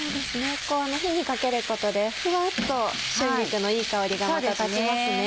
火にかけることでふわっと春菊のいい香りがまた立ちますね。